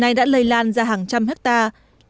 này đã lây lan ra hàng trăm hectare